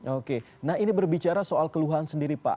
oke nah ini berbicara soal keluhan sendiri pak